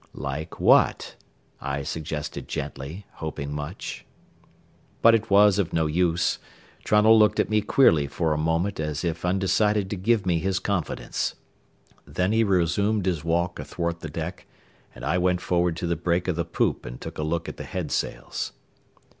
"Like what?" I suggested gently, hoping much. But it was of no use. Trunnell looked at me queerly for a moment as if undecided to give me his confidence. Then he resumed his walk athwart the deck, and I went forward to the break of the poop and took a look at the head sails.